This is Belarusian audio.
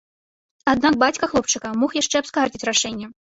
Аднак бацька хлопчыка мог яшчэ абскардзіць рашэнне.